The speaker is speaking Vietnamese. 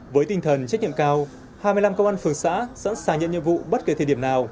với tinh thần trách nhiệm cao hai mươi năm công an phường xã sẵn sàng nhận nhiệm vụ bất kể thời điểm nào